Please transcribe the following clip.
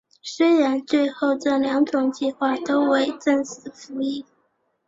虽然最后这两种计划都未正式服役。